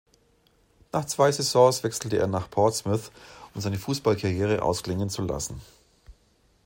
Nach zwei Saisons wechselte er nach Portsmouth, um seine Fußballkarriere ausklingen zu lassen.